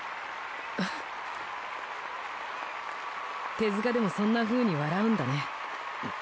手塚でもそんなふうに笑うんだね。